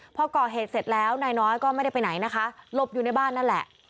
พอก่อเหตุเสร็จแล้วนายน้อยก็ไม่ได้ไปไหนนะคะหลบอยู่ในบ้านนั่นแหละ